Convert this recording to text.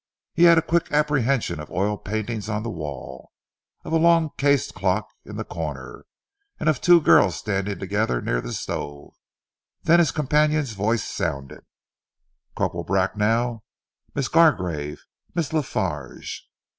He had a quick apprehension of oil paintings on the wall, of a long cased clock in the corner, and of two girls standing together near the stove, then his companion's voice sounded. "Corporal Bracknell! Miss Gargrave! Miss La Farge."